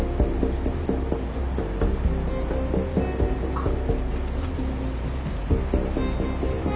あっ。